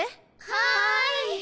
はい。